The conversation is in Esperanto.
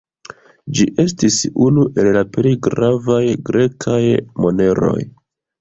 Ĝi estis unu el la plej gravaj grekaj moneroj.